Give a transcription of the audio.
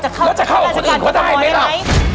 จะเข้าข้าราชการกรรมหรือเปล่า